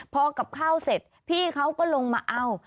พอกับข้าวเสร็จพี่เขาก็ลงมาเอา